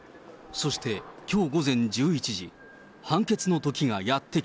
そして、きょう午前１１時。